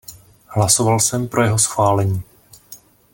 Hlasoval jsem pro jeho schválení.